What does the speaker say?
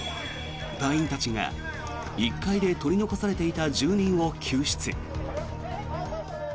隊員たちが１階で取り残されていた住人を救出。